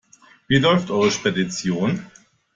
Wie läuft eure Spedition?